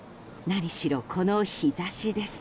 何しろ、この日差しです。